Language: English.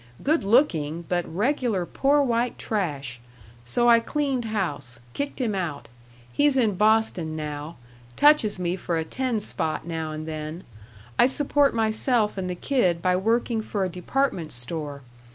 Good looking, but regular poor white trash. So I cleaned house kicked him out. He's in Boston now. Touches me for a ten spot now and then. I support myself and the kid by working for a department store.